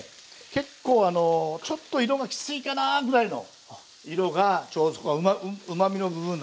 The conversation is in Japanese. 結構あのちょっと色がきついかなぐらいの色がちょうどそこうまみの部分なので。